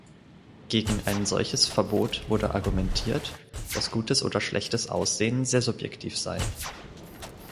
Gegen ein solches Verbot wurde argumentiert, dass gutes oder schlechtes Aussehen sehr subjektiv sei.